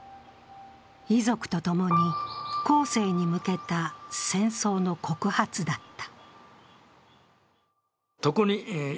遺族と共に後世に向けた戦争の告発だった。